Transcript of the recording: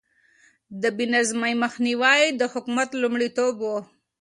د بې نظمي مخنيوی يې د حکومت لومړيتوب و.